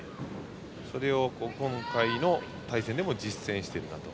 それを今回の対戦でも実践しているなと。